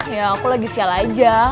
ya aku lagi shal aja